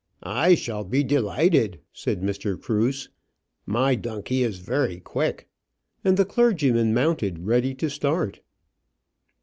"I shall be delighted," said Mr. Cruse; "my donkey is very quick;" and the clergyman mounted ready to start.